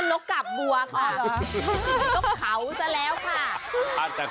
ตกเขาซะแล้วค่ะ